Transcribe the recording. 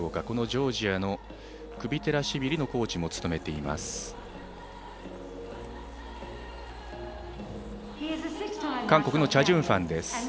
このジョージアのクビテラシビリのコーチも務めています。